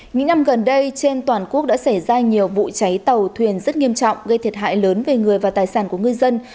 những năm gần đây trên toàn quốc đã xảy ra nhiều vụ cháy tàu thuyền rất nghiêm trọng gây thiệt hại lớn về người và tài sản của ngư dân